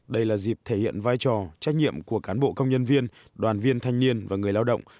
đây là dịp thể hiện vai trò trách nhiệm của cán bộ công nhân viên đoàn viên thanh niên và người lao động